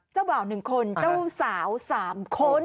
เจ้าบ่าวหนึ่งคนเจ้าสาวสามคน